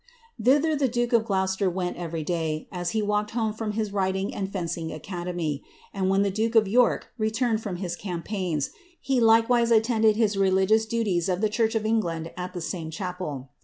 Thither the duke of Gloucester went every day, as he walked ome from his riding and fencing academy;' and when the duke of ork returned from his campaigns, he likewise attended his religious aties of the church of England at the same chapel.